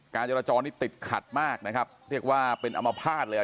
การจราจรนี่ติดขัดมากนะครับเรียกว่าเป็นอมภาษณ์เลย